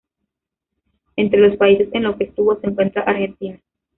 Entre los países en los que estuvo se encuentra Argentina.